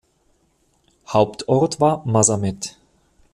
Hauptort war Mazamet.